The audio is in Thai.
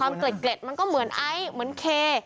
เกล็ดมันก็เหมือนไอซ์เหมือนเค